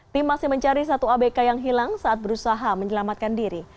tim masih mencari satu abk yang hilang saat berusaha menyelamatkan diri